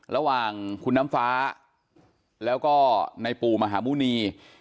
ระหว่างคุณน้ำฟ้าแล้วก็ในปู่มหาหมุณี